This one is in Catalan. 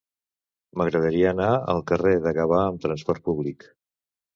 M'agradaria anar al carrer de Gavà amb trasport públic.